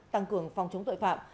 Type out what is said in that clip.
tăng cường phòng chống tội phạm